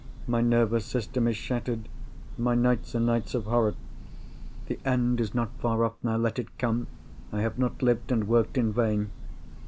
My nervous system is shattered; my nights are nights of horror. The end is not far off now. Let it come—I have not lived and worked in vain.